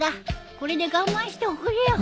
これで我慢しておくれよ。